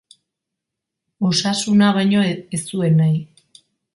Osasuna baino ez zuen nahi.